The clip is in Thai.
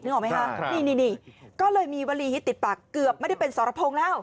ออกไหมคะนี่ก็เลยมีวลีฮิตติดปากเกือบไม่ได้เป็นสรพงศ์แล้ว